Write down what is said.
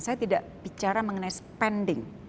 saya tidak bicara mengenai spending